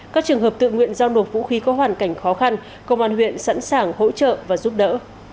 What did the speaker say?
các trường hợp tự nguyện giao nộp vũ khí có hoàn cảnh khó khăn công an huyện sẵn sàng hỗ trợ và giúp đỡ